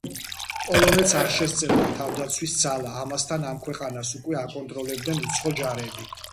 პოლონეთს არ შესწევდა თავდაცვის ძალა, ამასთან ამ ქვეყანას უკვე აკონტროლებდნენ უცხო ჯარები.